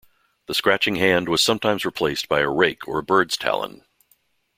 The scratching hand was sometimes replaced by a rake or a bird's talon.